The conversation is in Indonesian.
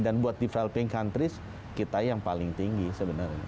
dan buat developing countries kita yang paling tinggi sebenarnya